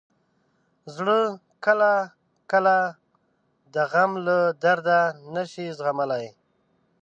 زړه کله کله د غم له درده نه شي زغملی.